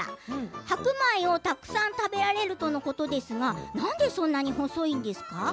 白米をたくさん食べられるということですが何でそんなに細いんですか？